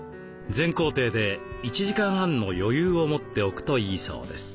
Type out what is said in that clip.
全行程で１時間半の余裕を持っておくといいそうです。